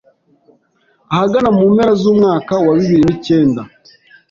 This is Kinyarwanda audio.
ahagana mu mpera z’umwaka wa bibiri nicyenda